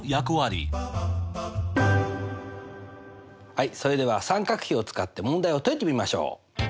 はいそれでは三角比を使って問題を解いてみましょう！